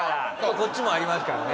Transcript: こっちもありますからね。